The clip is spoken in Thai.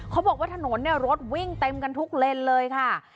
เขาบอกว่าถนนเนี่ยรถวิ่งเต็มกันทุกเลนเลยค่ะ